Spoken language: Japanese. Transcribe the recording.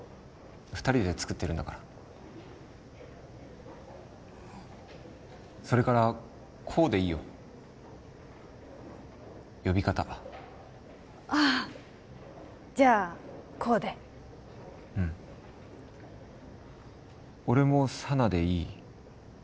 二人で作ってるんだからそれから功でいいよ呼び方ああじゃあ功でうん俺も佐奈でいい？